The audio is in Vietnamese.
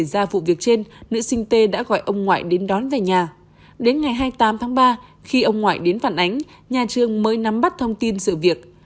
đến ngày hai mươi tám tháng ba khi ông ngoại đến phản ánh nhà trường mới nắm bắt thông tin sự việc